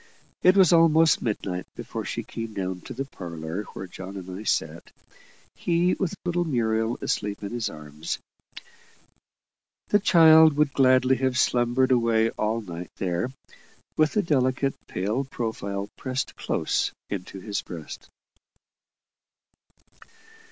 It was almost midnight before she came down to the parlour where John and I sat, he with little Muriel asleep in his arms. The child would gladly have slumbered away all night there, with the delicate, pale profile pressed close into his breast.